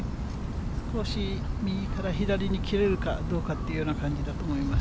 少し右から左に切れるかどうかっていうような感じだと思います。